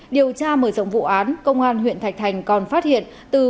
điều tra mở rộng vụ án công an huyện thạch thành còn phát hiện